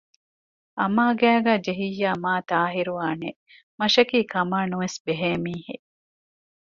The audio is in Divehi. އަމާ ގައިގައި ޖެހިއްޔާ މާތާހިރުވާނެއެވެ! މަށަކީ ކަމާ ނުވެސް ބެހޭ މީހެއް